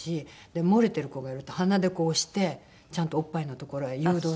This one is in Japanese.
で漏れてる子がいると鼻でこう押してちゃんとおっぱいの所へ誘導するし。